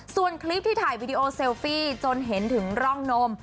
ส่วนคลิปที่ถ่ายวิดีโอเซลฟี่จนเห็นถึงร่องนม